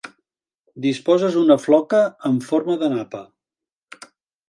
Disposes una floca en forma de napa.